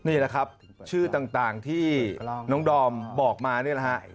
นี่แหละครับชื่อต่างที่น้องดอมบอกมานี่แหละฮะ